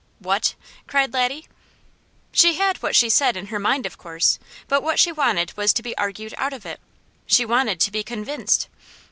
"What?" cried Laddie. "She had what she said in her mind of course, but what she wanted was to be argued out of it! She wanted to be convinced!"